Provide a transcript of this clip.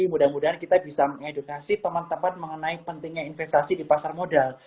mudah mudahan kita bisa mengedukasi teman teman mengenai pentingnya investasi di pasar modal